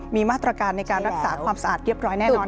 มีมาตรการในการรักษาความสะอาดเรียบร้อยแน่นอน